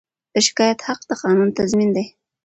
د شکایت حق د قانون تضمین دی.